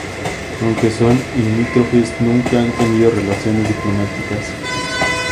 Aunque son limítrofes, nunca han tenido relaciones diplomáticas.